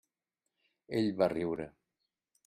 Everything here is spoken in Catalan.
Ell va riure.